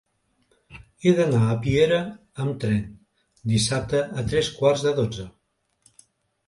He d'anar a Piera amb tren dissabte a tres quarts de dotze.